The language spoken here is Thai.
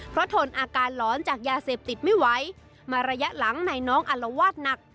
เพราะทนอาการหลอนจากยาเสพติดไม่ไหวมาระยะหลังนายน้องอารวาสหนัก